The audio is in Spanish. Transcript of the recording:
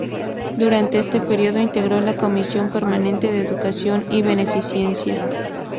Durante este período integró la Comisión Permanente de Educación y Beneficencia.